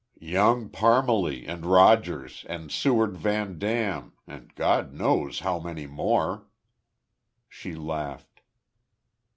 "Young Parmalee, and Rogers, and Seward Van Dam and God knows how many more!" She laughed.